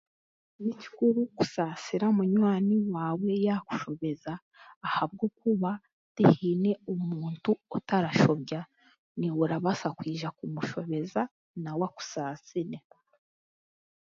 Ni kikuru kusaasira munywani waawe yaakushobeza ahabwokuba tihaine omuntu otarashobya naiwe orabaasa kwija kumushobeza nawe akusaasire.